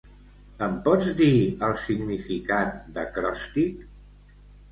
Em pots dir el significat d'acròstic?